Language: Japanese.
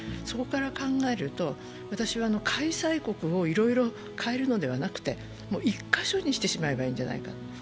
そこから考えると、私は開催国をいろいろ変えるのではなくて１カ所にしてしまえばいいんじゃないか。